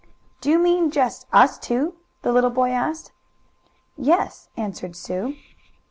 "Do you mean just us two?" the little boy asked. "Yes," answered Sue.